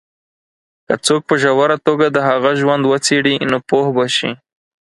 که څوک په ژوره توګه د هغه ژوند وڅېـړي، نو پوه به شي.